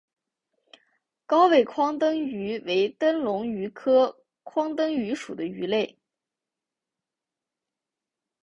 高位眶灯鱼为灯笼鱼科眶灯鱼属的鱼类。